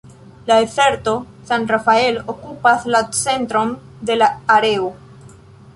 La dezerto "San Rafael" okupas la centron de la areo.